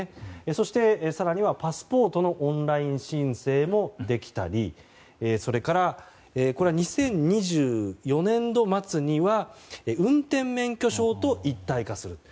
そして、更にはパスポートのオンライン申請もできたりそれから、２０２４年度末には運転免許証と一体化すると。